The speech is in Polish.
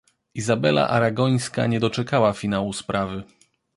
Izabela Aragońska nie doczekała finału sprawy.